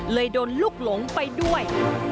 โดนลูกหลงไปด้วย